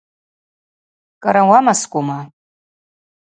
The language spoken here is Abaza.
Кӏара уамаскӏума?